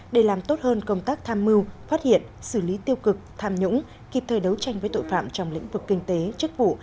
để làm tốt hơn công tác tham mưu phát hiện xử lý tiêu cực tham nhũng kịp thời đấu tranh với tội phạm trong lĩnh vực kinh tế chức vụ